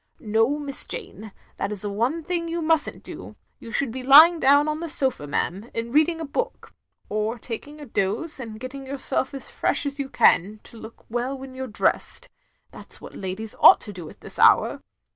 " No, Miss Jane, that is one of the things you must n't do. You should be lying down on the sofa, ma'am, and reading a book; or taking a doze and getting yourself as fresh as you can, to look well when you 're dressed. That *s what ladies ought to do at this hour.